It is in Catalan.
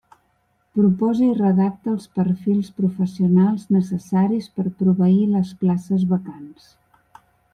Proposa i redacta els perfils professionals necessaris per proveir les places vacants.